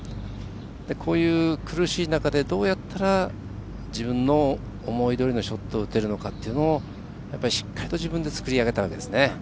こういう苦しい中でどうやったら自分の思いどおりのショットを打てるのかというのをしっかりと自分で作り上げたわけですね。